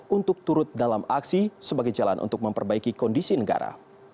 untuk menutupi perusahaan yang diperlukan untuk memperbaiki kondisi negara